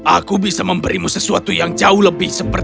aku bisa memberimu sesuatu yang jauh lebih seperti